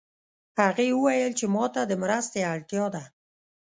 هغې وویل چې ما ته د مرستې اړتیا ده